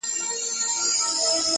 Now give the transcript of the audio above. • نه مي ډلي دي لیدلي دي د کارګانو -